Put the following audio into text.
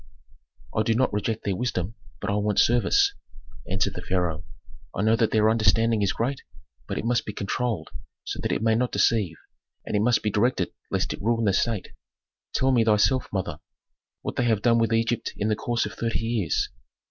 "I do not reject their wisdom, but I want service," answered the pharaoh. "I know that their understanding is great, but it must be controlled so that it may not deceive, and it must be directed lest it ruin the State. Tell me thyself, mother, what they have done with Egypt in the course of thirty years?